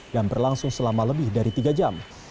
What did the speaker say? yang berlangsung selama lebih dari tiga jam